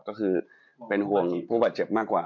ก็คือเป็นห่วงผู้บาดเจ็บมากกว่า